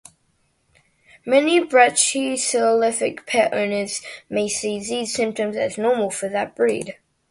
Many brachycephalic pet owners may see these symptoms as "normal" for that breed.